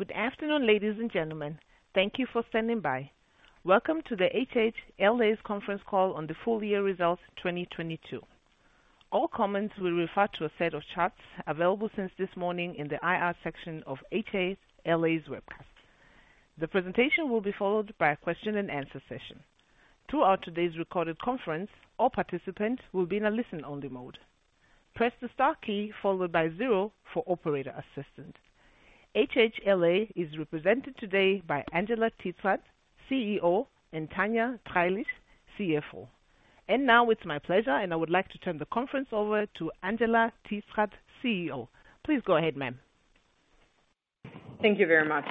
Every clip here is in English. Good afternoon, ladies and gentlemen. Thank you for standing by. Welcome to the HHLA's conference call on the full year results 2022. All comments will refer to a set of chats available since this morning in the IR section of HHLA's webcast. The presentation will be followed by a question and answer session. Throughout today's recorded conference, all participants will be in a listen only mode. Press the star key followed by zero for operator assistance. HHLA is represented today by Angela Titzrath, CEO, and Tanja Dreilich, CFO. Now it's my pleasure, and I would like to turn the conference over to Angela Titzrath, CEO. Please go ahead, ma'am. Thank you very much.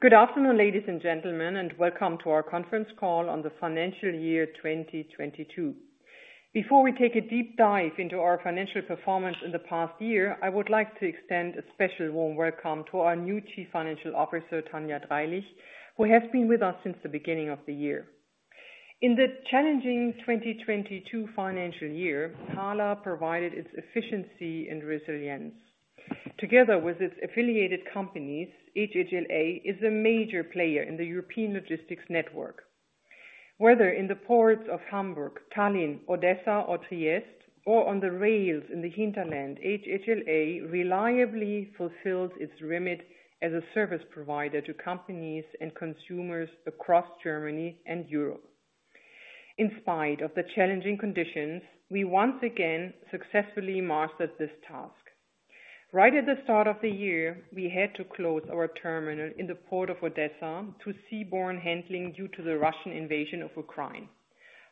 Good afternoon, ladies and gentlemen, and welcome to our conference call on the financial year 2022. Before we take a deep dive into our financial performance in the past year, I would like to extend a special warm welcome to our new Chief Financial Officer, Tanja Dreilich, who has been with us since the beginning of the year. In the challenging 2022 financial year, HHLA provided its efficiency and resilience. Together with its affiliated companies, HHLA is a major player in the European logistics network. Whether in the ports of Hamburg, Tallinn, Odessa, or Trieste, or on the rails in the hinterland, HHLA reliably fulfills its remit as a service provider to companies and consumers across Germany and Europe. In spite of the challenging conditions, we once again successfully mastered this task. Right at the start of the year, we had to close our terminal in the port of Odessa to seaborne handling due to the Russian invasion of Ukraine.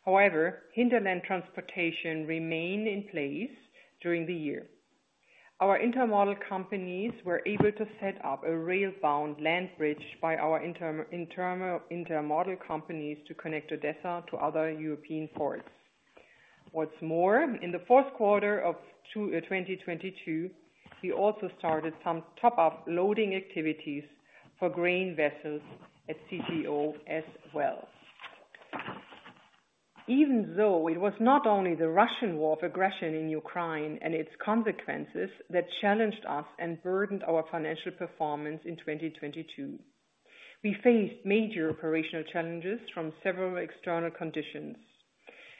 However, hinterland transportation remained in place during the year. Our Intermodal companies were able to set up a rail bound land bridge by our Intermodal companies to connect Odessa to other European ports. What's more, in the fourth quarter of 2022, we also started some top-up loading activities for grain vessels at CTO as well. Even though it was not only the Russian war of aggression in Ukraine and its consequences that challenged us and burdened our financial performance in 2022. We faced major operational challenges from several external conditions.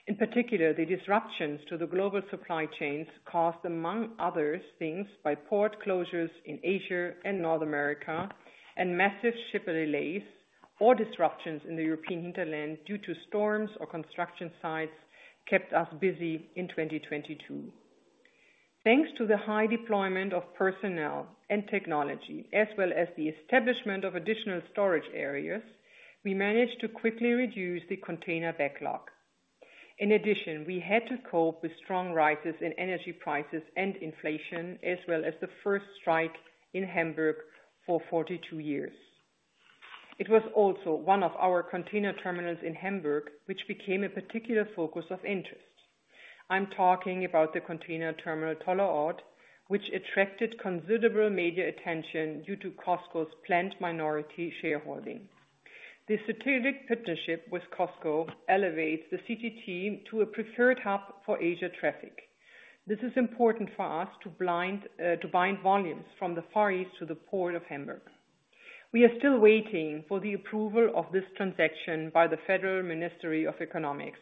In particular, the disruptions to the global supply chains caused, among other things, by port closures in Asia and North America, and massive ship delays or disruptions in the European hinterland due to storms or construction sites kept us busy in 2022. Thanks to the high deployment of personnel and technology, as well as the establishment of additional storage areas, we managed to quickly reduce the container backlog. In addition, we had to cope with strong rises in energy prices and inflation, as well as the first strike in Hamburg for 42 years. It was also one of our container terminals in Hamburg, which became a particular focus of interest. I'm talking about the Container Terminal Tollerort, which attracted considerable media attention due to COSCO's planned minority shareholding. The strategic partnership with COSCO elevates the CTT to a preferred hub for Asia traffic. This is important for us to bind volumes from the Far East to the Port of Hamburg. We are still waiting for the approval of this transaction by the Federal Ministry of Economics.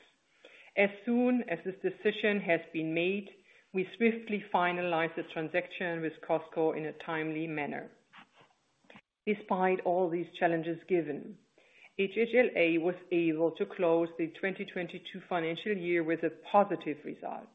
As soon as this decision has been made, we swiftly finalize this transaction with COSCO in a timely manner. Despite all these challenges given, HHLA was able to close the 2022 financial year with a positive result.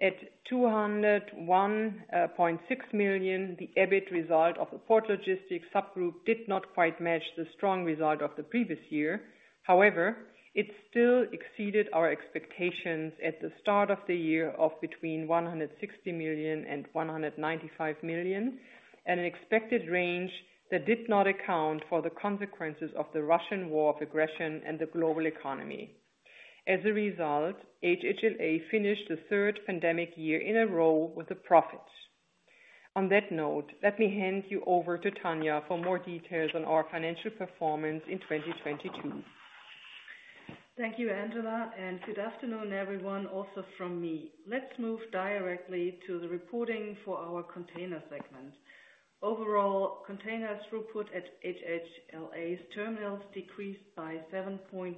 At 201.6 million, the EBIT result of the Port Logistics subgroup did not quite match the strong result of the previous year. However, it still exceeded our expectations at the start of the year of between 160 million and 195 million, at an expected range that did not account for the consequences of the Russian war of aggression and the global economy. HHLA finished the third pandemic year in a row with a profit. On that note, let me hand you over to Tanja for more details on our financial performance in 2022. Thank you, Angela. Good afternoon, everyone, also from me. Let's move directly to the reporting for our Container segment. Overall, Container throughput at HHLA's terminals decreased by 7.9%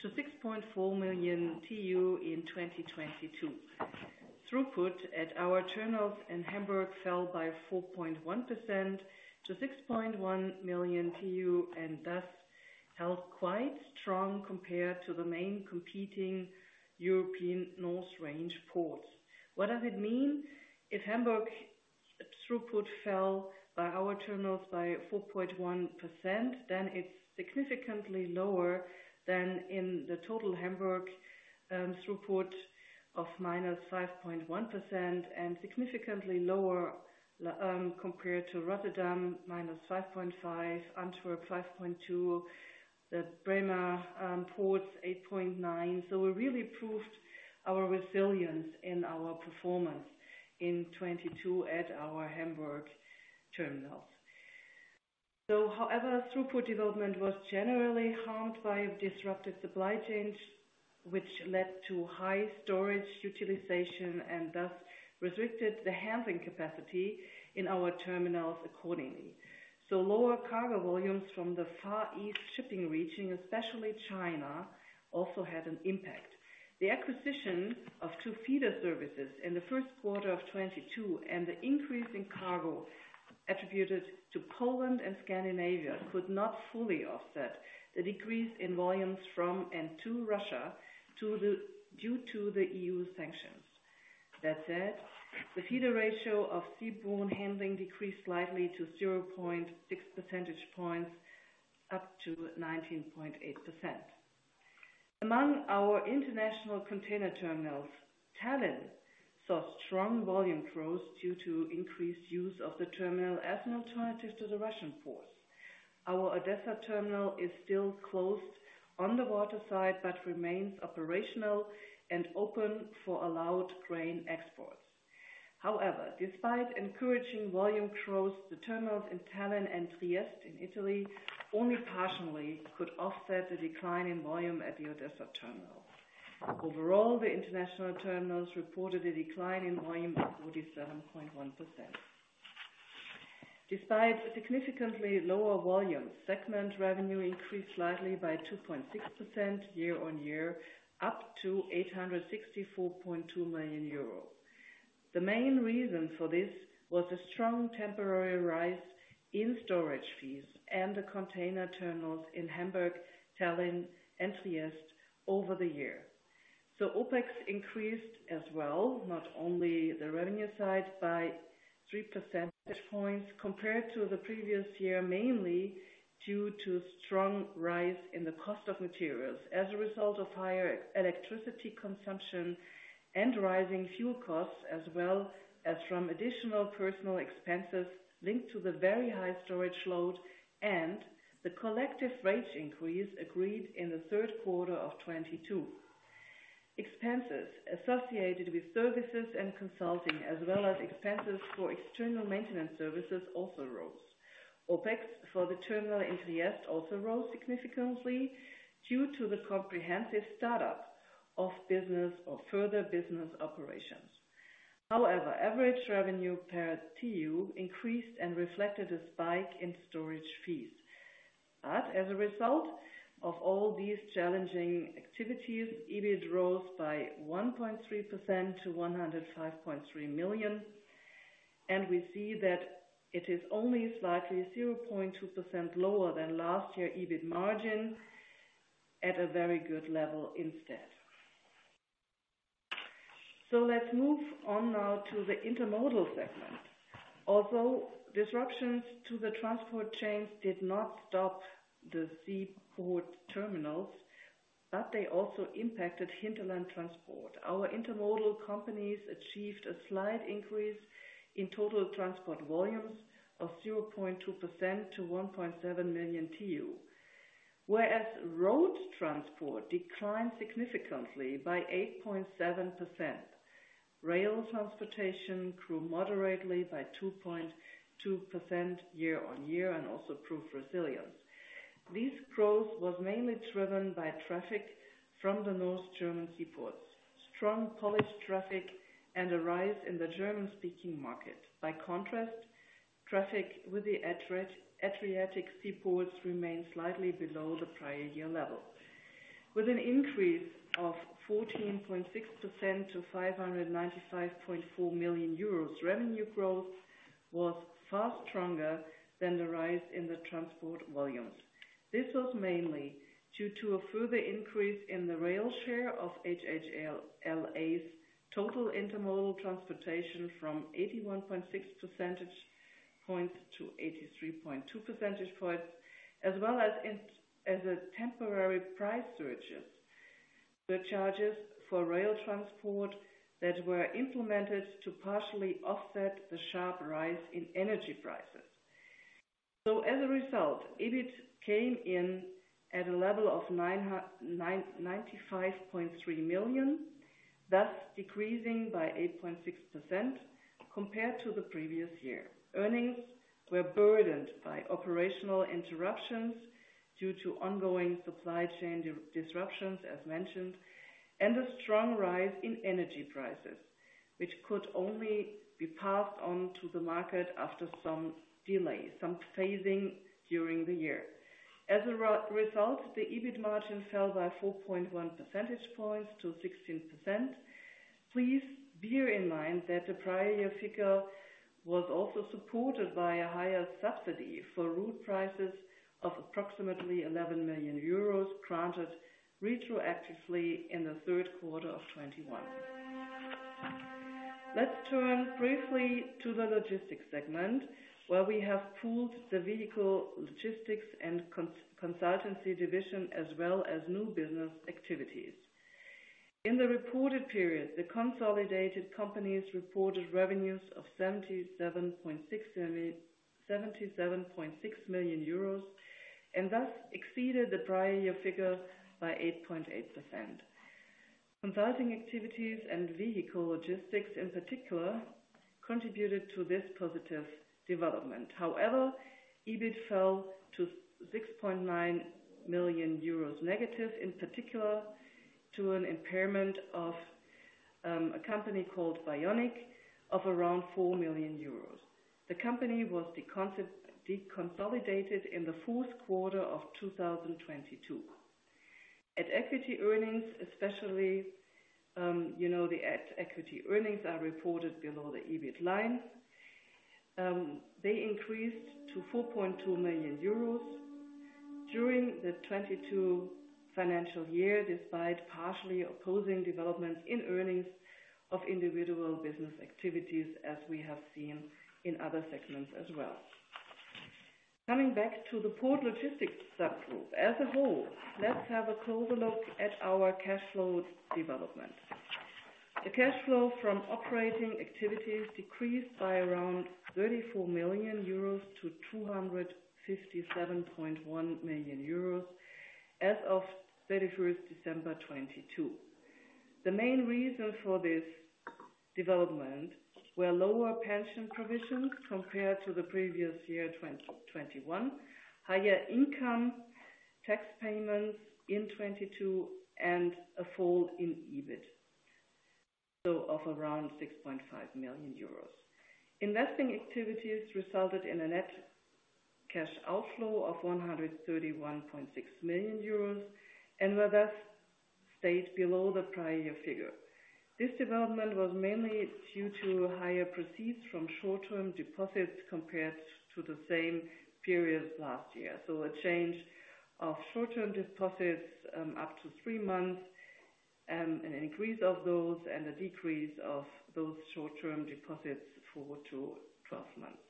to 6.4 million TEU in 2022. Throughput at our terminals in Hamburg fell by 4.1% to 6.1 million TEU, and thus held quite strong compared to the main competing European North Range ports. What does it mean? If Hamburg throughput fell by our terminals by 4.1%, then it's significantly lower than in the total Hamburg throughput of -5.1% and significantly lower compared to Rotterdam, -5.5%, Antwerp, 5.2%, the Bremer ports, 8.9%. We really proved our resilience in our performance in 2022 at our Hamburg terminals. However, throughput development was generally harmed by disrupted supply chains, which led to high storage utilization and thus restricted the handling capacity in our terminals accordingly. Lower cargo volumes from the Far East shipping region, especially China, also had an impact. The acquisition of two feeder services in the first quarter of 2022, and the increase in cargo attributed to Poland and Scandinavia could not fully offset the decrease in volumes from and to Russia due to the EU sanctions. That said, the feeder ratio of seaborne handling decreased slightly to 0.6 percentage points, up to 19.8%. Among our international container terminals, Tallinn saw strong volume growth due to increased use of the terminal as an alternative to the Russian ports. Our Odessa terminal is still closed on the waterside, remains operational and open for allowed grain exports. Despite encouraging volume growth, the terminals in Tallinn and Trieste in Italy only partially could offset the decline in volume at the Odessa terminal. The international terminals reported a decline in volume by 47.1%. Despite significantly lower volumes, segment revenue increased slightly by 2.6% year-on-year, up to 864.2 million euros. The main reason for this was a strong temporary rise in storage fees and the container terminals in Hamburg, Tallinn and Trieste over the year. OpEx increased as well, not only the revenue side, by 3 percentage points compared to the previous year, mainly due to strong rise in the cost of materials as a result of higher electricity consumption and rising fuel costs, as well as from additional personal expenses linked to the very high storage load and the collective wage increase agreed in the third quarter of 2022. Expenses associated with services and consulting, as well as expenses for external maintenance services also rose. OpEx for the terminal in Trieste also rose significantly due to the comprehensive start-up of business or further business operations. However, average revenue per TEU increased and reflected a spike in storage fees. As a result of all these challenging activities, EBIT rose by 1.3% to 105.3 million. We see that it is only slightly 0.2% lower than last year EBIT margin, at a very good level instead. Let's move on now to the Intermodal segment. Although disruptions to the transport chains did not stop the seaport terminals, but they also impacted hinterland transport. Our Intermodal companies achieved a slight increase in total transport volumes of 0.2% to 1.7 million TEU. Whereas road transport declined significantly by 8.7%. Rail transportation grew moderately by 2.2% year-on-year and also proved resilience. This growth was mainly driven by traffic from the North German seaports, strong Polish traffic and a rise in the German-speaking market. By contrast, traffic with the Adria-Adriatic seaports remained slightly below the prior year level. With an increase of 14.6% to 595.4 million euros, revenue growth was far stronger than the rise in the transport volumes. This was mainly due to a further increase in the rail share of HHLA's total Intermodal transportation from 81.6 percentage points to 83.2 percentage points, as well as temporary price surges, the charges for rail transport that were implemented to partially offset the sharp rise in energy prices. As a result, EBIT came in at a level of 95.3 million, thus decreasing by 8.6% compared to the previous year. Earnings were burdened by operational interruptions due to ongoing supply chain disruptions, as mentioned, and a strong rise in energy prices, which could only be passed on to the market after some delay, some phasing during the year. As a result, the EBIT margin fell by 4.1 percentage points to 16%. Please bear in mind that the prior year figure was also supported by a higher subsidy for route prices of approximately 11 million euros, granted retroactively in the third quarter of 2021. Let's turn briefly to the Logistics segment, where we have pooled the vehicle logistics and consultancy division as well as new business activities. In the reported period, the consolidated companies reported revenues of 77.6 million euros. Thus exceeded the prior year figure by 8.8%. Consulting activities and vehicle logistics in particular, contributed to this positive development. EBIT fell to 6.9 million euros negative, in particular, to an impairment of a company called Bionic Production of around 4 million euros. The company was deconsolidated in the fourth quarter of 2022. At equity earnings especially, you know, the equity earnings are reported below the EBIT line. They increased to 4.2 million euros during the 2022 financial year, despite partially opposing developments in earnings of individual business activities, as we have seen in other segments as well. Coming back to the Port Logistics subgroup. As a whole, let's have a closer look at our cash flows development. The cash flow from operating activities decreased by around 34 million euros to 257.1 million euros as of 31st December 2022. The main reason for this development were lower pension provisions compared to the previous year, 2021. Higher income tax payments in 2022 and a fall in EBIT, so of around 6.5 million euros. Investing activities resulted in a net cash outflow of 131.6 million euros and were, thus, stayed below the prior year figure. This development was mainly due to higher proceeds from short-term deposits compared to the same period last year. A change of short-term deposits up to three months, an increase of those and a decrease of those short-term deposits for to 12 months.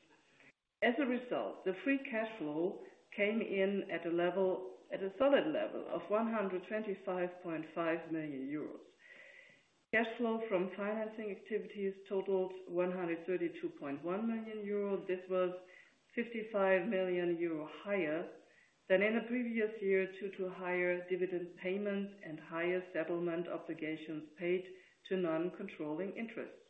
The free cash flow came in at a solid level of 125.5 million euros. Cash flow from financing activities totaled 132.1 million euros. This was 55 million euros higher than in the previous year due to higher dividend payments and higher settlement obligations paid to non-controlling interests.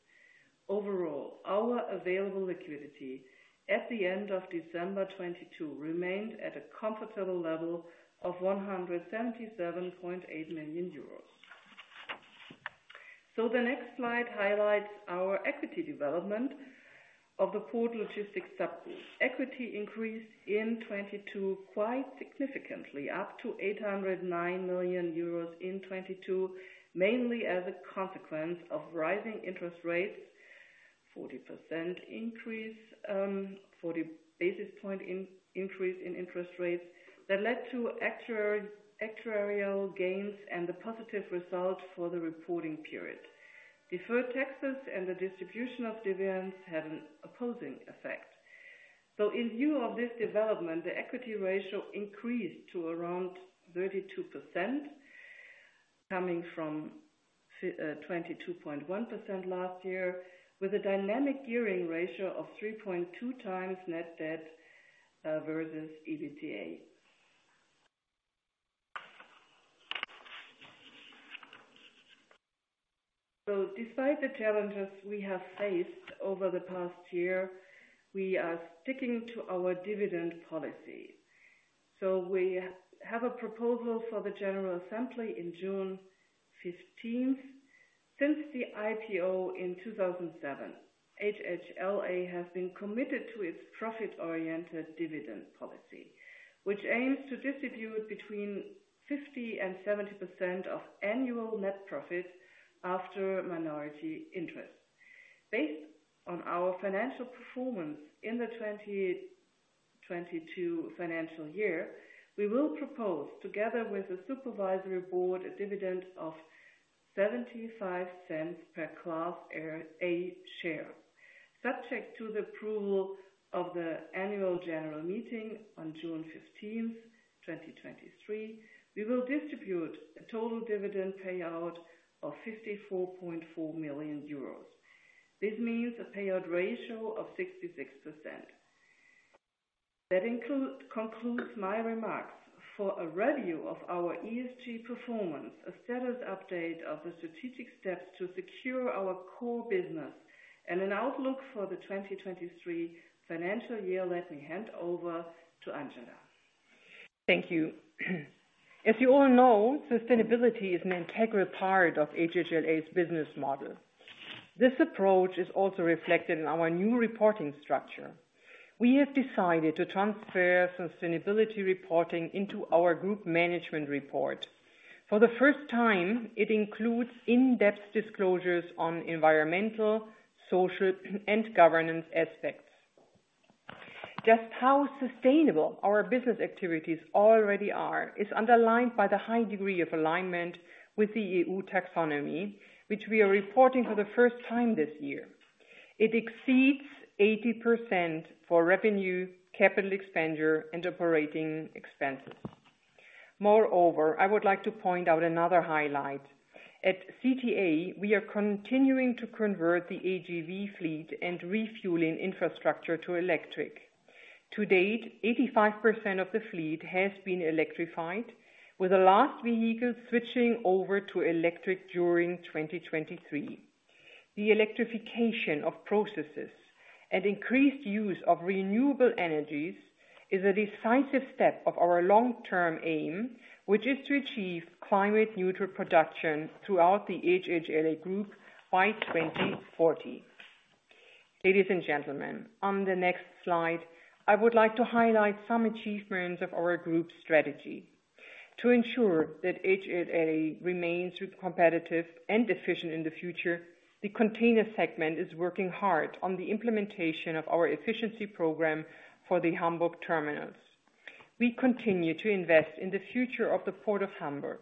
Overall, our available liquidity at the end of December 2022 remained at a comfortable level of 177.8 million euros. The next slide highlights our equity development of the Port Logistics subgroup. Equity increased in 2022 quite significantly, up to 809 million euros in 2022. Mainly as a consequence of rising interest rates, 40% increase, 40 basis points increase in interest rates that led to actuarial gains and a positive result for the reporting period. Deferred taxes and the distribution of dividends had an opposing effect. In view of this development, the equity ratio increased to around 32%, coming from 22.1% last year, with a dynamic gearing ratio of 3.2x net debt versus EBITDA. Despite the challenges we have faced over the past year, we are sticking to our dividend policy. We have a proposal for the general assembly in June 15th. Since the IPO in 2007, HHLA has been committed to its profit-oriented dividend policy, which aims to distribute between 50% and 70% of annual net profit after minority interest. Based on our financial performance in the 2022 financial year, we will propose, together with the supervisory board, a dividend of 0.75 per Class A share. Subject to the approval of the annual general meeting on June 15th, 2023, we will distribute a total dividend payout of 54.4 million euros. This means a payout ratio of 66%. That concludes my remarks. For a review of our ESG performance, a status update of the strategic steps to secure our core business, and an outlook for the 2023 financial year, let me hand over to Angela. Thank you. As you all know, sustainability is an integral part of HHLA's business model. This approach is also reflected in our new reporting structure. We have decided to transfer sustainability reporting into our group management report. For the first time, it includes in-depth disclosures on environmental, social and governance aspects. Just how sustainable our business activities already are, is underlined by the high degree of alignment with the EU Taxonomy, which we are reporting for the first time this year. It exceeds 80% for revenue, capital expenditure and operating expenses. Moreover, I would like to point out another highlight. At CTA, we are continuing to convert the AGV fleet and refueling infrastructure to electric. To date, 85% of the fleet has been electrified, with the last vehicle switching over to electric during 2023. The electrification of processes and increased use of renewable energies is a decisive step of our long-term aim, which is to achieve climate-neutral production throughout the HHLA Group by 2040. Ladies and gentlemen, on the next slide, I would like to highlight some achievements of our group strategy. To ensure that HHLA remains competitive and efficient in the future, the Container segment is working hard on the implementation of our efficiency program for the Hamburg terminals. We continue to invest in the future of the Port of Hamburg.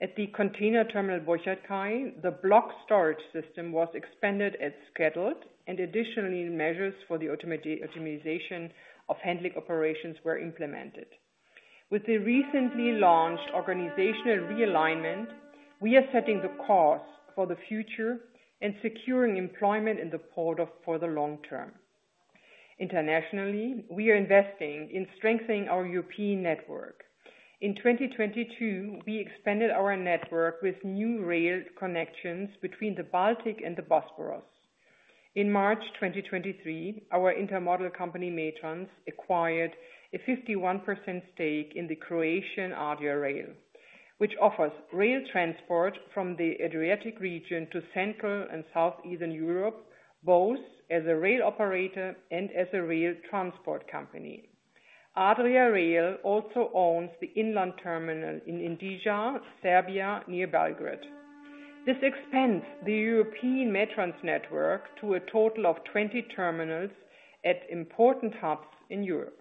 At the container terminal, Burchardkai, the block storage system was expanded as scheduled, and additionally, measures for the automation of handling operations were implemented. With the recently launched organizational realignment, we are setting the course for the future and securing employment for the long term. Internationally, we are investing in strengthening our European network. In 2022, we expanded our network with new rail connections between the Baltic and the Bosphorus. In March 2023, our Intermodal company, METRANS, acquired a 51% stake in the Croatian Adria Rail, which offers rail transport from the Adriatic region to Central and Southeastern Europe, both as a rail operator and as a rail transport company. Adria Rail also owns the inland terminal in Inđija, Serbia, near Belgrade. This expands the European METRANS network to a total of 20 terminals at important hubs in Europe.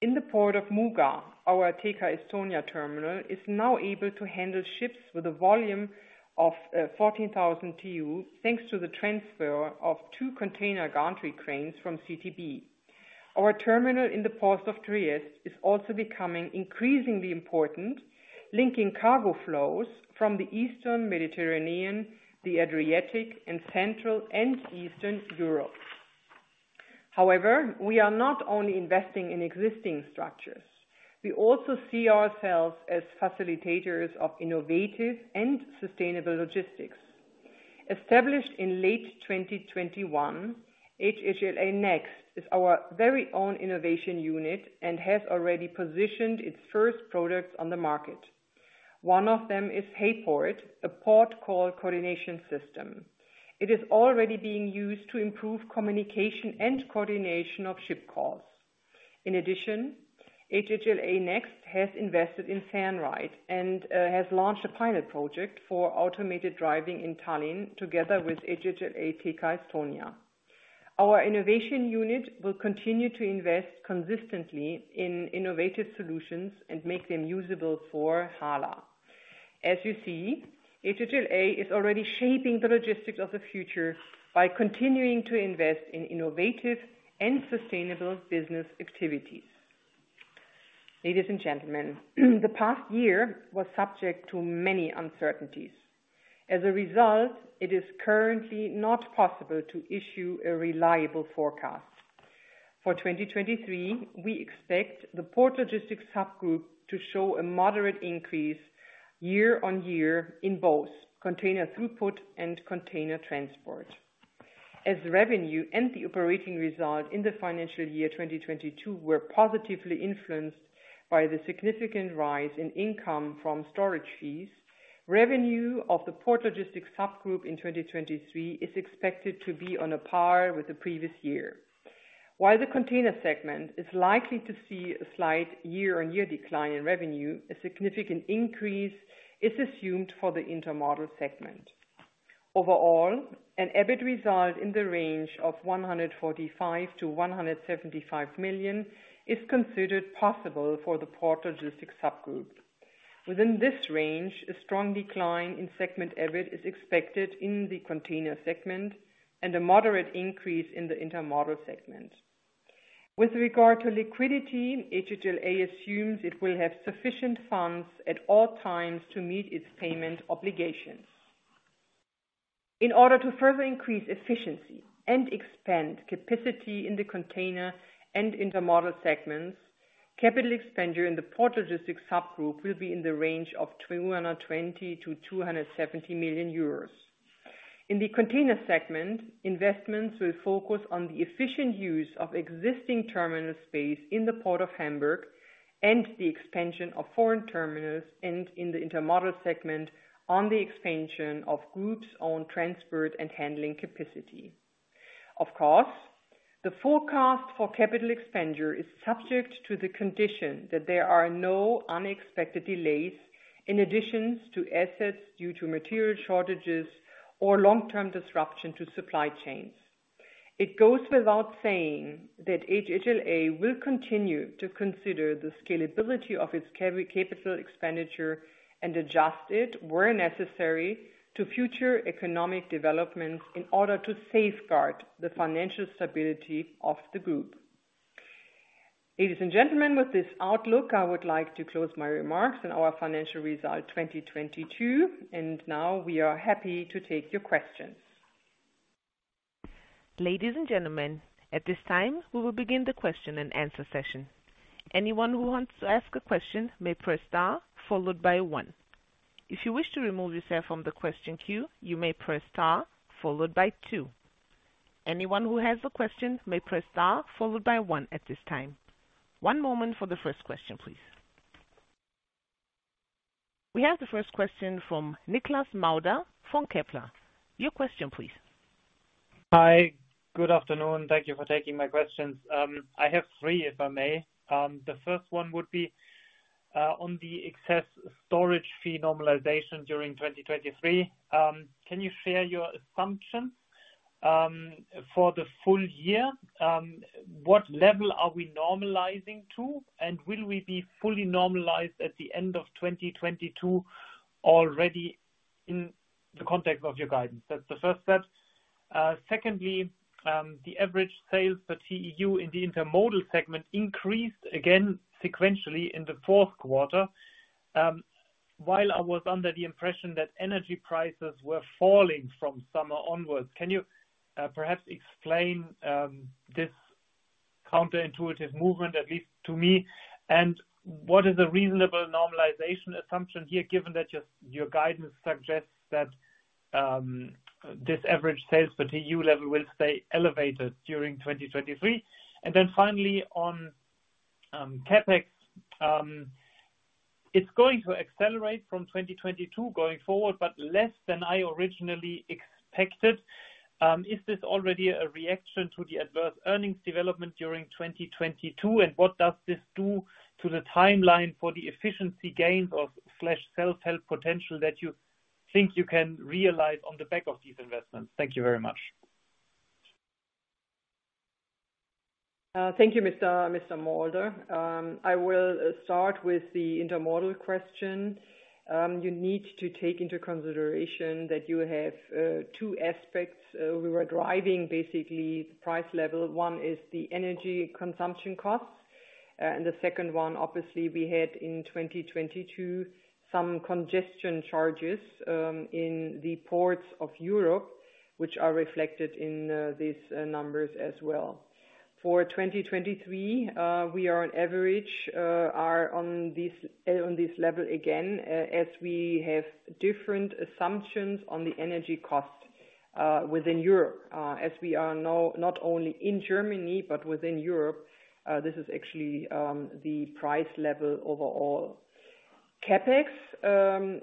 In the port of Muuga, our TK Estonia terminal is now able to handle ships with a volume of 14,000 TEU thanks to the transfer of two container gantry cranes from CTB. Our terminal in the Port of Trieste is also becoming increasingly important, linking cargo flows from the Eastern Mediterranean, the Adriatic, and Central and Eastern Europe. We are not only investing in existing structures, we also see ourselves as facilitators of innovative and sustainable logistics. Established in late 2021, HHLA Next is our very own innovation unit and has already positioned its first products on the market. One of them is heyport, a port call coordination system. It is already being used to improve communication and coordination of ship calls. HHLA Next has invested in FERNRIDE and has launched a pilot project for automated driving in Tallinn together with HHLA TK Estonia. Our innovation unit will continue to invest consistently in innovative solutions and make them usable for HHLA. HHLA is already shaping the logistics of the future by continuing to invest in innovative and sustainable business activities. Ladies and gentlemen, the past year was subject to many uncertainties. As a result, it is currently not possible to issue a reliable forecast. For 2023, we expect the Port Logistics subgroup to show a moderate increase year-on-year in both Ccontainer throughput and Container transport. As revenue and the operating result in the financial year 2022 were positively influenced by the significant rise in income from storage fees, revenue of the Port Logistics subgroup in 2023 is expected to be on par with the previous year. While the Container segment is likely to see a slight year-on-year decline in revenue, a significant increase is assumed for the Intermodal segment. Overall, an EBIT result in the range of 145 million-175 million is considered possible for the Port Logistics subgroup. Within this range, a strong decline in segment EBIT is expected in the Container segment and a moderate increase in the Intermodal segment. With regard to liquidity, HHLA assumes it will have sufficient funds at all times to meet its payment obligations. In order to further increase efficiency and expand capacity in the Container and Intermodal segments, capital expenditure in the Port Logistics subgroup will be in the range of 220 million-270 million euros. In the Container segment, investments will focus on the efficient use of existing terminal space in the Port of Hamburg and the expansion of foreign terminals, and in the Intermodal segment, on the expansion of groups on transport and handling capacity. Of course, the forecast for capital expenditure is subject to the condition that there are no unexpected delays in additions to assets due to material shortages or long-term disruption to supply chains. It goes without saying that HHLA will continue to consider the scalability of its capital expenditure and adjust it where necessary to future economic developments in order to safeguard the financial stability of the group. Ladies and gentlemen, with this outlook, I would like to close my remarks on our financial result 2022. Now we are happy to take your questions. Ladies and gentlemen, at this time, we will begin the question and answer session. Anyone who wants to ask a question may press star followed by one. If you wish to remove yourself from the question queue, you may press star followed by two. Anyone who has a question may press star followed by one at this time. One moment for the first question, please. We have the first question from Nikolas Mauder from Kepler. Your question please. Hi, good afternoon. Thank you for taking my questions. I have three, if I may. The first one would be on the excess storage fee normalization during 2023. Can you share your assumption for the full year? What level are we normalizing to? Will we be fully normalized at the end of 2022 already in the context of your guidance? That's the first step. Secondly, the average sales per TEU in the Intermodal segment increased again sequentially in the fourth quarter. While I was under the impression that energy prices were falling from summer onwards, can you perhaps explain this counter-intuitive movement, at least to me? What is a reasonable normalization assumption here, given that your guidance suggests that this average sales per TEU level will stay elevated during 2023? Finally on CapEx, it's going to accelerate from 2022 going forward, but less than I originally expected. Is this already a reaction to the adverse earnings development during 2022? What does this do to the timeline for the efficiency gains of slash self-help potential that you think you can realize on the back of these investments? Thank you very much. Thank you, Mr. Mauder. I will start with the Intermodal question. You need to take into consideration that you have two aspects. We were driving basically the price level. One is the energy consumption costs. The second one, obviously we had in 2022 some congestion charges in the ports of Europe, which are reflected in these numbers as well. For 2023, we are on average on this on this level again, as we have different assumptions on the energy costs within Europe. As we are now not only in Germany, but within Europe, this is actually the price level overall. CapEx,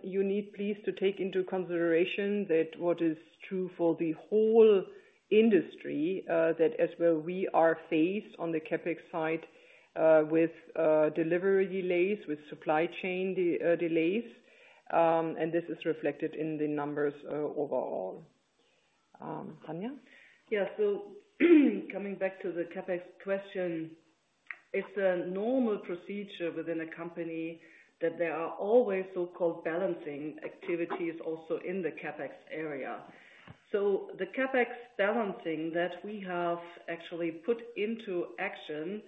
you need please to take into consideration that what is true for the whole industry, that as well we are faced on the CapEx side, with delivery delays, with supply chain delays. This is reflected in the numbers, overall. Tanja? Coming back to the CapEx question, it's a normal procedure within a company that there are always so-called balancing activities also in the CapEx area. The CapEx balancing that we have actually put into action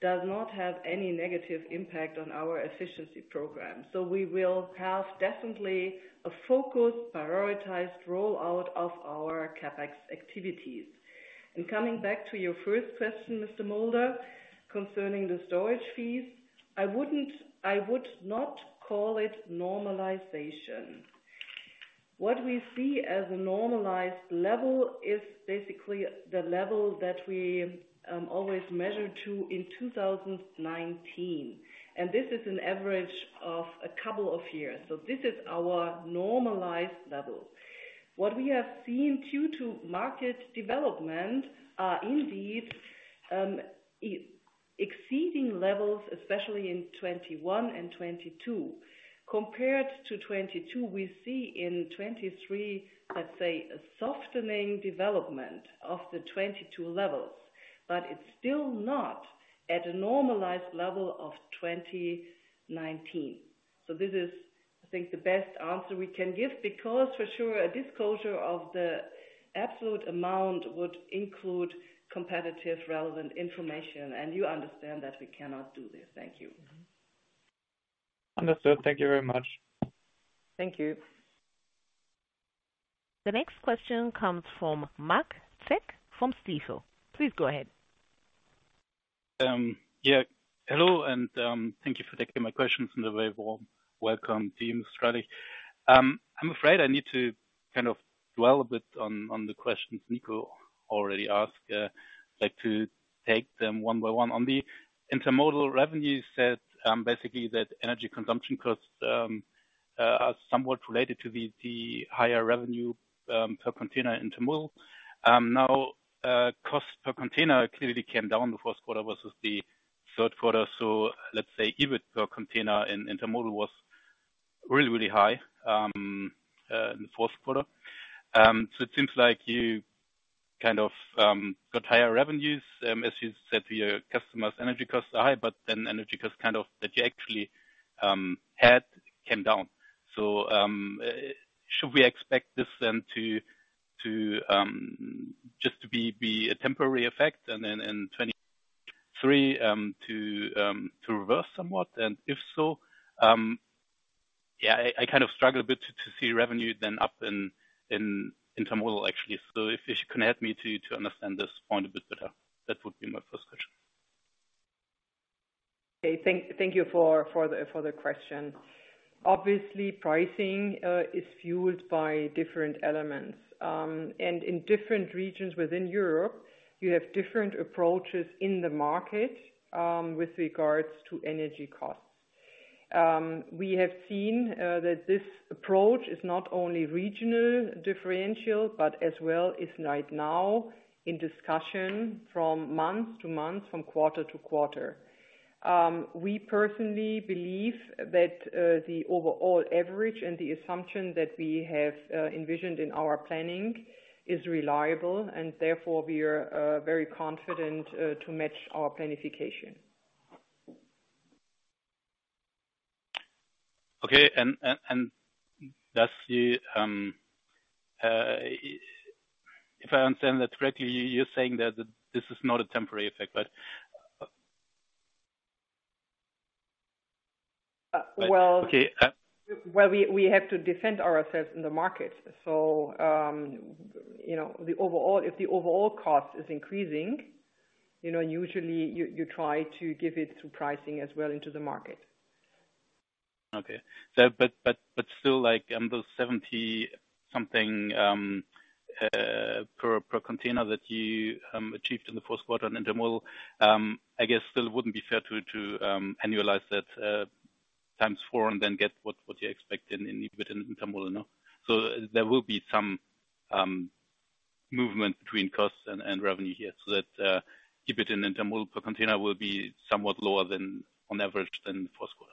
does not have any negative impact on our efficiency program. Coming back to your first question, Mr. Mauder, concerning the storage fees. I would not call it normalization. What we see as a normalized level is basically the level that we always measured to in 2019, and this is an average of a couple of years. This is our normalized level. What we have seen due to market development are indeed exceeding levels, especially in 2021 and 2022. Compared to 2022, we see in 2023, let's say a softening development of the 2022 levels, but it's still not at a normalized level of 2019. This is, I think, the best answer we can give, because for sure a disclosure of the absolute amount would include competitive relevant information. You understand that we cannot do this. Thank you. Understood. Thank you very much. Thank you. The next question comes from Marc Zeck from Stifel. Please go ahead. Yeah, hello, and thank you for taking my questions and a very warm welcome to you, Ms. Dreilich. I'm afraid I need to kind of dwell a bit on the questions Niko already asked. Like to take them one by one. On the Intermodal revenue, you said, basically that energy consumption costs are somewhat related to the higher revenue per container Intermodal. Now, cost per container clearly came down the first quarter versus the third quarter. Let's say EBIT per container in Intermodal was really, really high in the fourth quarter. It seems like you kind of got higher revenues, as you said to your customers, energy costs are high, but then energy costs kind of that you actually had came down. Should we expect this then to, just to be a temporary effect and then in 2023, to reverse somewhat? If so, yeah, I kind of struggle a bit to see revenue then up in Intermodal actually. If you can help me to understand this point a bit better, that would be my first question. Okay. Thank you for the question. Obviously, pricing is fueled by different elements. In different regions within Europe, you have different approaches in the market with regards to energy costs. We have seen that this approach is not only regional differential, but as well is right now in discussion from month to month, from quarter to quarter. We personally believe that the overall average and the assumption that we have envisioned in our planning is reliable, and therefore we are very confident to match our planification. Okay. And, if I understand that correctly, you're saying that this is not a temporary effect, but... Uh, well- Okay. We have to defend ourselves in the market. you know, if the overall cost is increasing, you know, usually you try to give it to pricing as well into the market. Okay. But still like those 70 something per container that you achieved in the first quarter in Intermodal, I guess still wouldn't be fair to annualize that 4x and then get what you expect in EBIT in Intermodal, no? There will be some movement between costs and revenue here. That EBIT in Intermodal per container will be somewhat lower than on average than the first quarter.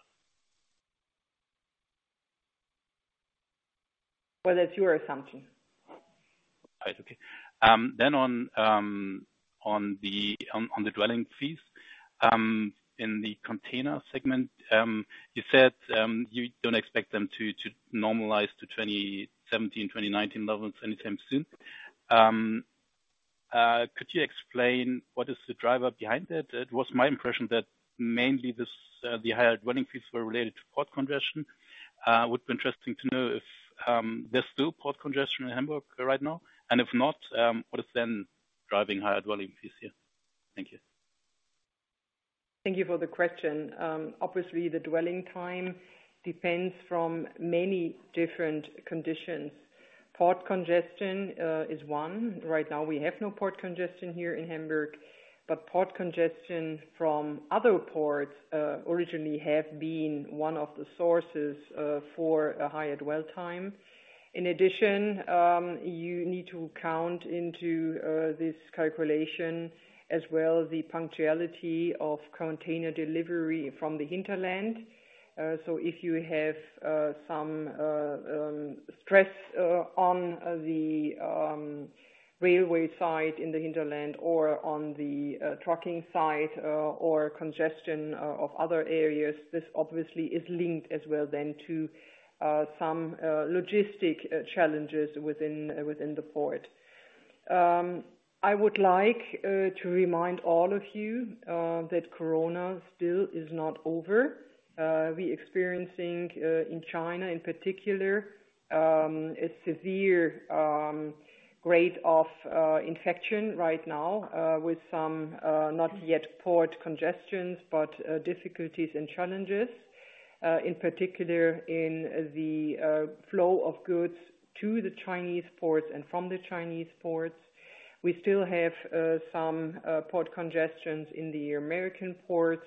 Well, that's your assumption. All right. Okay. Then on the dwelling fees in the Container segment, you said you don't expect them to normalize to 2017, 2019 levels anytime soon. Could you explain what is the driver behind that? It was my impression that mainly this the higher dwelling fees were related to port congestion. Would be interesting to know if there's still port congestion in Hamburg right now. If not, what is then driving higher dwelling fees here? Thank you. Thank you for the question. Obviously the dwelling time depends from many different conditions. Port congestion is one. Right now, we have no port congestion here in Hamburg, but port congestion from other ports originally have been one of the sources for a higher dwell time. In addition, you need to count into this calculation as well the punctuality of container delivery from the hinterland. If you have some stress on the railway side in the hinterland or on the trucking side, or congestion of other areas, this obviously is linked as well then to some logistic challenges within the port. I would like to remind all of you that Corona still is not over. We experiencing in China in particular a severe grade of infection right now with some not yet port congestions, but difficulties and challenges in particular in the flow of goods to the Chinese ports and from the Chinese ports. We still have some port congestions in the American ports,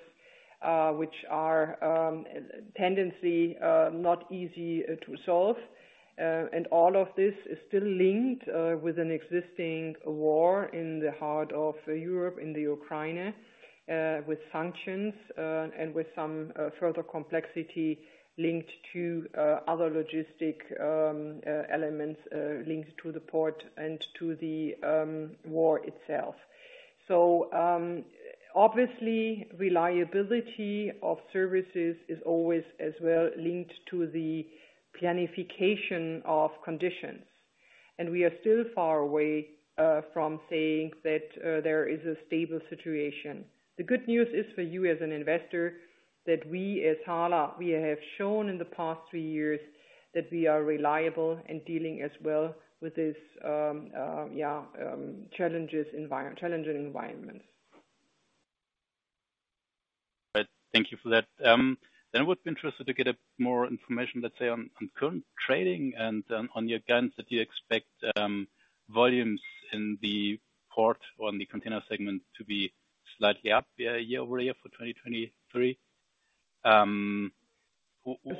which are tendency not easy to solve. All of this is still linked with an existing war in the heart of Europe, in Ukraine, with sanctions, and with some further complexity linked to other logistic elements linked to the port and to the war itself. Obviously, reliability of services is always as well linked to the planification of conditions. We are still far away from saying that there is a stable situation. The good news is for you as an investor, that we as HHLA, we have shown in the past three years that we are reliable in dealing as well with this challenging environment. Right. Thank you for that. I would be interested to get a more information, let's say, on current trading and, on your guidance that you expect, volumes in the port or in the Container segment to be slightly up year-over-year for 2023.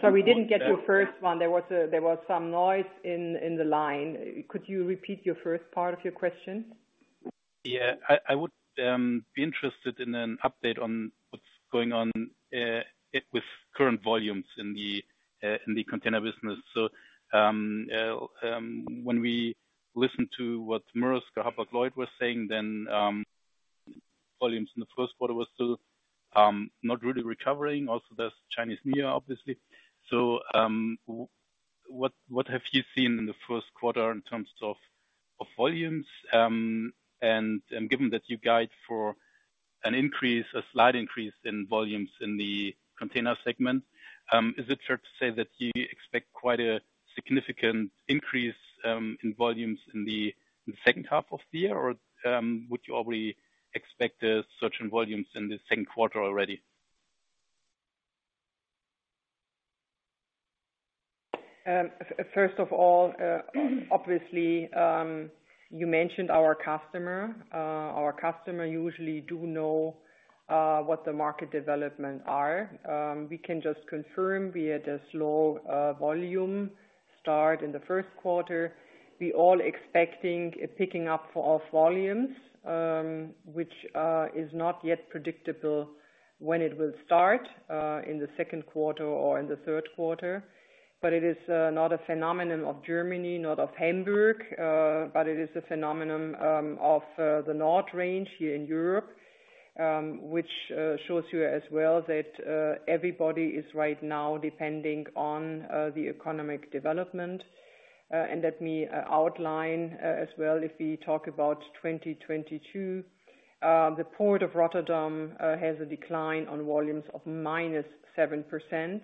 Sorry, we didn't get your first one. There was some noise in the line. Could you repeat your first part of your question? Yeah. I would be interested in an update on what's going on with current volumes in the container business. When we listen to what Maersk or Hapag-Lloyd was saying then, volumes in the first quarter was still not really recovering. Also, there's Chinese New Year, obviously. What have you seen in the first quarter in terms of volumes? And given that you guide for an increase, a slight increase in volumes in the Container segment, is it fair to say that you expect quite a significant increase in volumes in the second half of the year? Would you already expect a certain volumes in the second quarter already? First of all, obviously, you mentioned our customer. Our customer usually do know what the market development are. We can just confirm we had a slow volume start in the first quarter. We all expecting a picking up of volumes, which is not yet predictable when it will start in the second quarter or in the third quarter. It is not a phenomenon of Germany, not of Hamburg, but it is a phenomenon of the North Range here in Europe, which shows you as well that everybody is right now depending on the economic development. Let me outline as well if we talk about 2022. The Port of Rotterdam has a decline on volumes of -7%,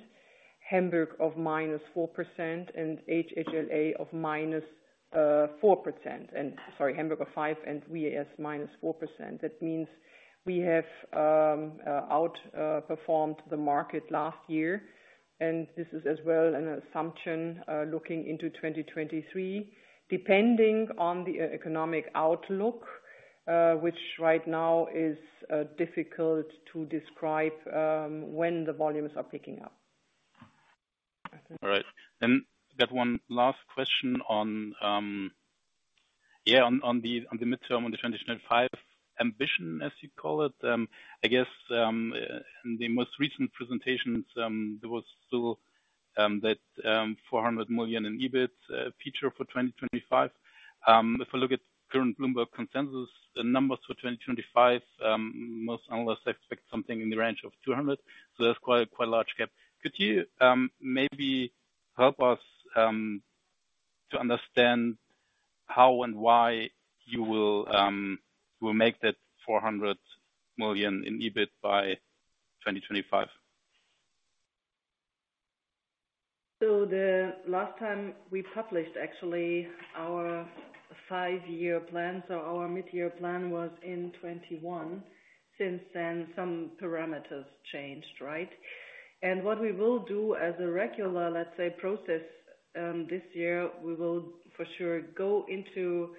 Hamburg of -4% and HHLA of - 4%. Sorry, Hamburg of -5% and we as -4%. That means we have out performed the market last year, and this is as well an assumption looking into 2023, depending on the economic outlook, which right now is difficult to describe, when the volumes are picking up. All right. Just one last question on the midterm, on the transition at five ambition, as you call it. I guess in the most recent presentations, there was still that 400 million in EBIT feature for 2025. If I look at current Bloomberg consensus, the numbers for 2025, most analysts expect something in the range of 200 million. That's quite a large gap. Could you maybe help us to understand how and why you will make that 400 million in EBIT by 2025? The last time we published actually our five-year plan, so our mid-year plan was in 2021. Since then, some parameters changed, right? What we will do as a regular, let's say, process, this year, we will for sure go into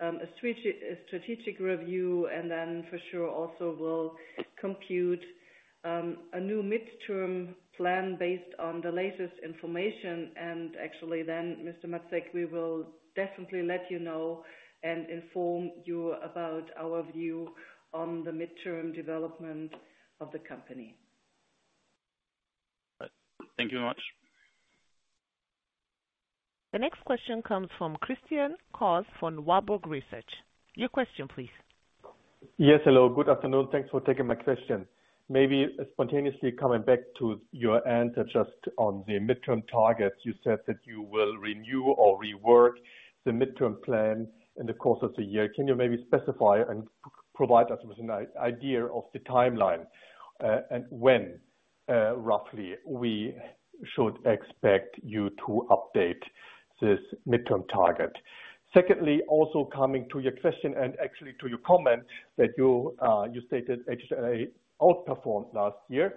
a strategic review and then for sure also will compute a new midterm plan based on the latest information. Actually then, Mr. Marc, we will definitely let you know and inform you about our view on the midterm development of the company. Thank you very much. The next question comes from Christian Cohrs from Warburg Research. Your question, please. Yes, hello. Good afternoon. Thanks for taking my question. Maybe spontaneously coming back to your answer just on the midterm targets, you said that you will renew or rework the midterm plan in the course of the year. Can you maybe specify and provide us with an idea of the timeline, and when roughly we should expect you to update this midterm target? Also coming to your question and actually to your comment that you stated HHLA outperformed last year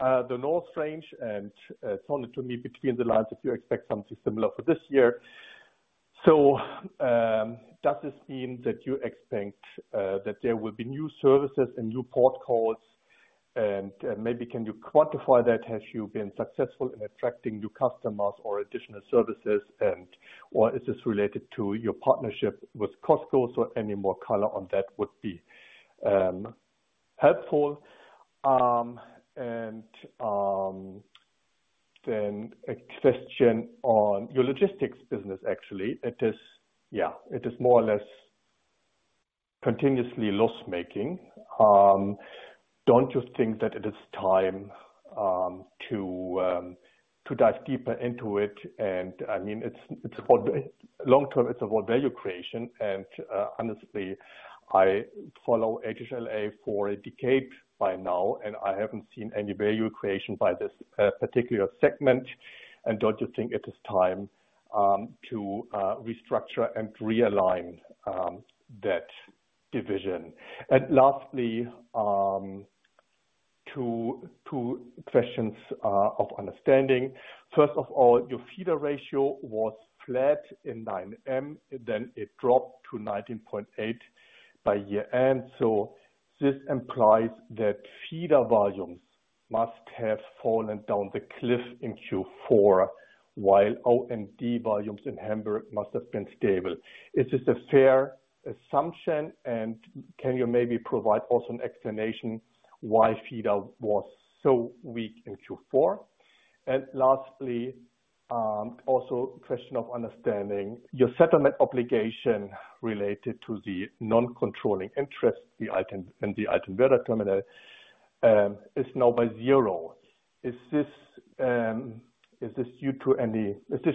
the North Range, and it sounded to me between the lines that you expect something similar for this year. Does this mean that you expect that there will be new services and new port calls? Maybe can you quantify that? Have you been successful in attracting new customers or additional services and, or is this related to your partnership with COSCO? Any more color on that would be helpful. Then a question on your logistics business, actually. It is, yeah, it is more or less continuously loss-making. Don't you think that it is time to dive deeper into it? I mean, it's about long term, it's about value creation. Honestly, I follow HHLA for a decade by now, and I haven't seen any value creation by this particular segment. Don't you think it is time to restructure and realign that division? Lastly, two questions of understanding. First of all, your feeder ratio was flat in 9M, then it dropped to 19.8% by year-end. This implies that feeder volumes must have fallen down the cliff in Q4, while OMD volumes in Hamburg must have been stable. Is this a fair assumption? Can you maybe provide also an explanation why feeder was so weak in Q4? Lastly, also a question of understanding your settlement obligation related to the non-controlling interest, the item and the item terminal, is now by zero. Is this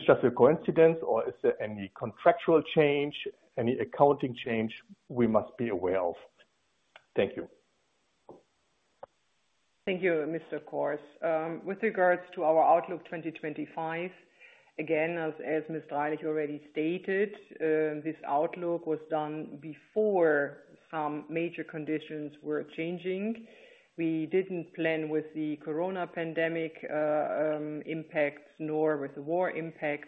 just a coincidence, or is there any contractual change, any accounting change we must be aware of? Thank you. Thank you, Mr. Cohrs. With regards to our outlook 2025, again, as Ms. Dreilich already stated, this outlook was done before some major conditions were changing. We didn't plan with the corona pandemic impacts nor with the war impacts.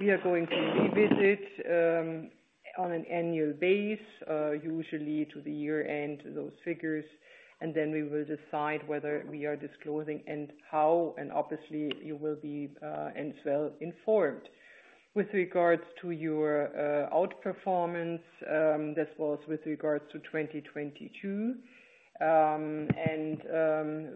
We are going to revisit on an annual base usually to the year-end those figures, and then we will decide whether we are disclosing and how, and obviously you will be well informed. With regards to your outperformance, this was with regards to 2022.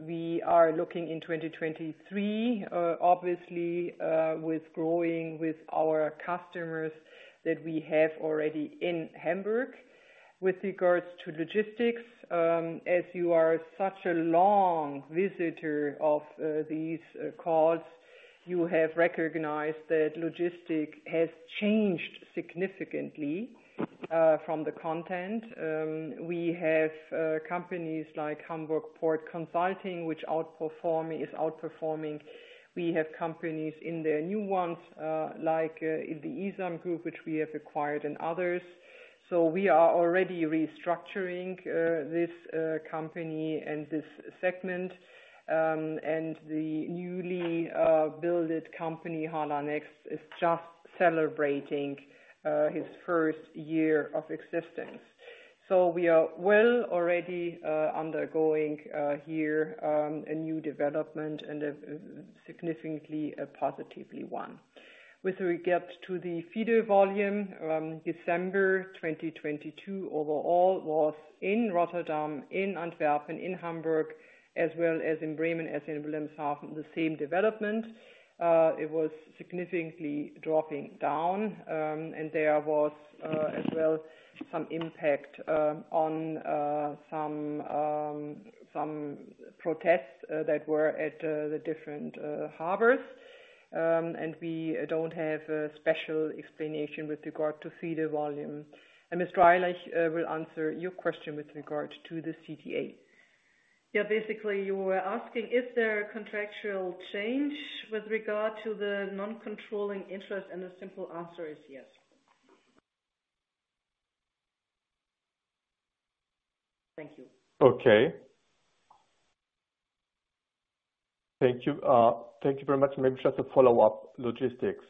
We are looking in 2023 obviously with growing with our customers that we have already in Hamburg. With regards to logistics, as you are such a long visitor of these calls, you have recognized that logistics has changed significantly from the content. We have companies like Hamburg Port Consulting, which outperforming, is outperforming. We have companies in the new ones, like the iSAM AG, which we have acquired and others. We are already restructuring this company and this segment. The newly builded company, HHLA Next, is just celebrating its first year of existence. We are well already undergoing here a new development and a significantly a positively one. With regard to the feeder volume, December 2022 overall was in Rotterdam, in Antwerp, and in Hamburg, as well as in Bremen, as in Wilhelmshaven, the same development. It was significantly dropping down, and there was as well some impact on some protests that were at the different harbors. We don't have a special explanation with regard to feeder volume. Ms. Dreilich will answer your question with regard to the CTA. Yeah. Basically, you were asking is there a contractual change with regard to the non-controlling interest, and the simple answer is yes. Thank you. Okay. Thank you. Thank you very much. Maybe just a follow-up logistics.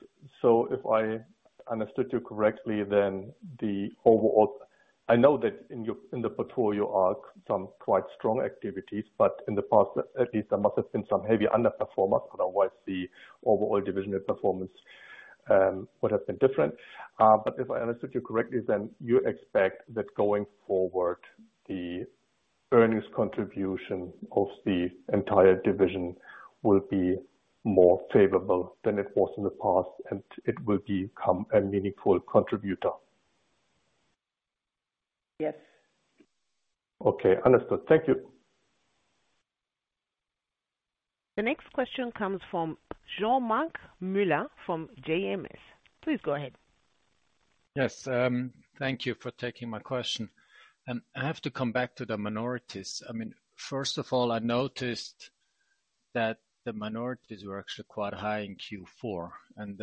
If I understood you correctly, then the overall. I know that in your portfolio are some quite strong activities, but in the past, at least there must have been some heavy underperformers, otherwise the overall divisional performance would have been different. If I understood you correctly, then you expect that going forward, the earnings contribution of the entire division will be more favorable than it was in the past, and it will become a meaningful contributor. Yes. Okay. Understood. Thank you. The next question comes from Jean-Marc Müller from JMS. Please go ahead. Thank you for taking my question. I have to come back to the minorities. I mean, first of all, I noticed that the minorities were actually quite high in Q4, and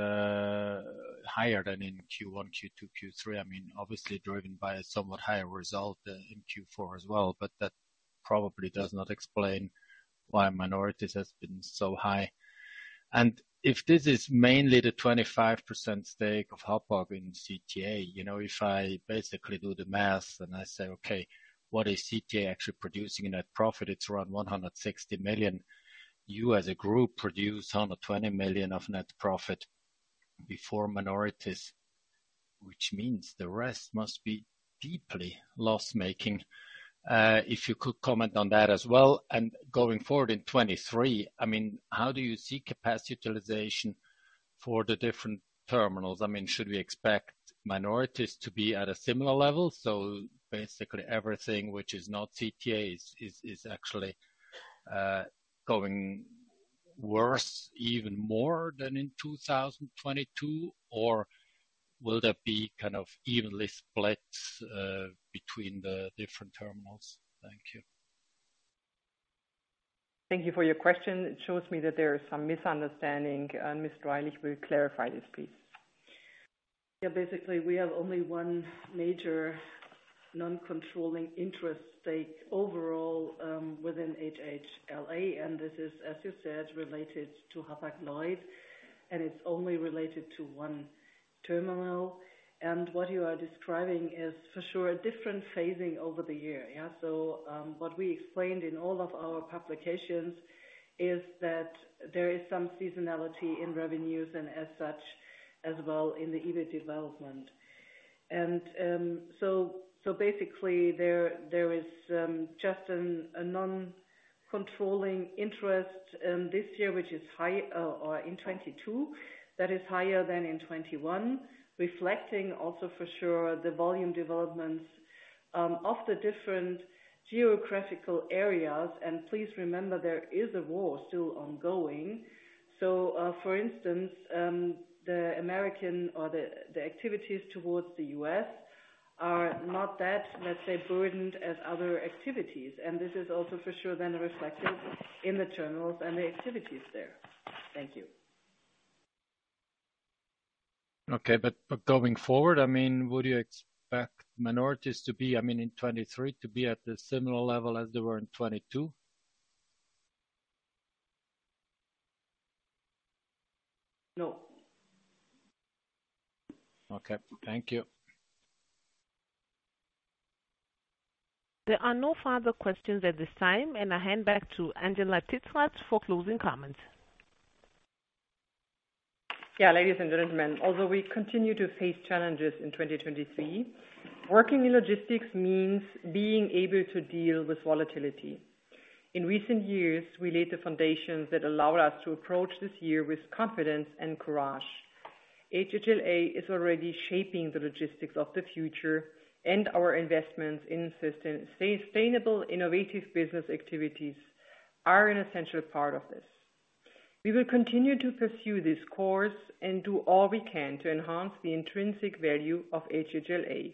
higher than in Q1, Q2, Q3. I mean, obviously driven by a somewhat higher result in Q4 as well. That probably does not explain why minorities has been so high. If this is mainly the 25% stake of Hapag-Lloyd in CTA, you know, if I basically do the math and I say, "Okay, what is CTA actually producing in net profit?" It's around 160 million. You, as a group, produce 120 million of net profit before minorities, which means the rest must be deeply loss-making. If you could comment on that as well. Going forward in 2023, I mean, how do you see capacity utilization for the different terminals? I mean, should we expect minorities to be at a similar level? Basically everything which is not CTA is actually going worse even more than in 2022? Will there be kind of evenly split between the different terminals? Thank you. Thank you for your question. It shows me that there is some misunderstanding. Ms. Dreilich will clarify this, please. Basically, we have only one major non-controlling interest stake overall within HHLA. This is, as you said, related to Hapag-Lloyd, and it's only related to one terminal. What you are describing is for sure a different phasing over the year, yeah? What we explained in all of our publications is that there is some seasonality in revenues and as such, as well in the EBIT development. Basically there is just a non-controlling interest this year which is or in 2022, that is higher than in 2021. Reflecting also for sure the volume developments of the different geographical areas. Please remember there is a war still ongoing. For instance, the American activities towards the U.S. are not that, let's say, burdened as other activities. This is also for sure then reflected in the journals and the activities there. Thank you. Okay. Going forward, I mean, would you expect minorities to be, I mean, in 2023, to be at the similar level as they were in 2022? No. Okay. Thank you. There are no further questions at this time, and I hand back to Angela Titzrath for closing comments. Ladies and gentlemen, although we continue to face challenges in 2023, working in logistics means being able to deal with volatility. In recent years, we laid the foundations that allowed us to approach this year with confidence and courage. HHLA is already shaping the logistics of the future, our investments in sustainable, innovative business activities are an essential part of this. We will continue to pursue this course and do all we can to enhance the intrinsic value of HHLA.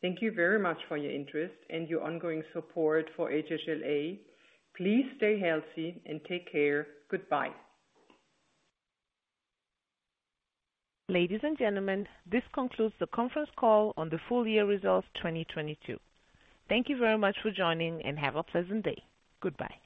Thank you very much for your interest and your ongoing support for HHLA. Please stay healthy and take care. Goodbye. Ladies and gentlemen, this concludes the conference call on the full year results 2022. Thank you very much for joining, and have a pleasant day. Goodbye.